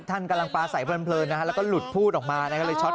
ท่านกำลังปลาใสเฟล็ดเดี๋ยวนะคะแล้วก็หลุดพูดออกมานะครับ